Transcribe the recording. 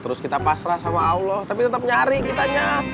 terus kita pasrah sama allah tapi tetap nyari kitanya